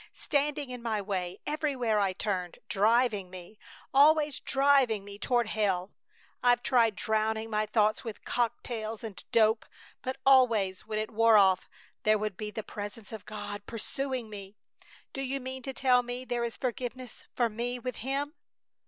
Standing in my way everywhere I turned! Driving me! Always driving me toward hell! I've tried drowning my thoughts with cocktails and dope, but always when it wore off there would be the Presence of God pursuing me! Do you mean to tell me there is forgiveness for me with Him?"